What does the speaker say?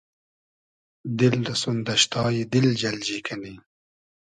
دیل رۂ سون دئشتای دیل جئلجی کئنی